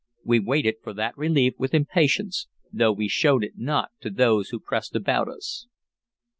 We waited for that relief with impatience, though we showed it not to those who pressed about us.